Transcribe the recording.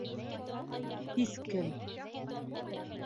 Һис кем